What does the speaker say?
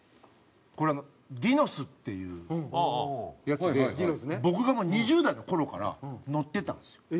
これ『ｄｉｎｏｓ』っていうやつで僕がもう２０代の頃から載ってたんですよ。